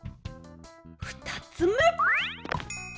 ふたつめ。